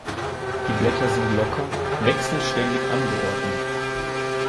Die Blätter sind locker, wechselständig angeordnet.